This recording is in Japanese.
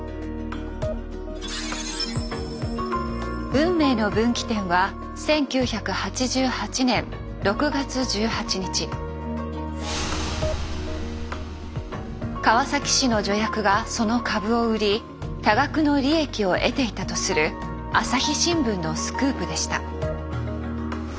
運命の分岐点は川崎市の助役がその株を売り多額の利益を得ていたとする朝日新聞のスクープでした。